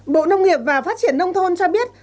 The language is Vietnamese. bộ nông nghiệp và phát triển nông thôn cho biết